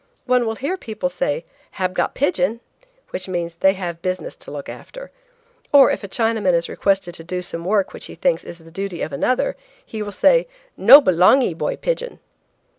One will hear people say: " Hab got pigeon," which means they have business to look after; or if a Chinaman is requested to do some work which he thinks is the duty of another, he will say: "No belongee boy pigeon."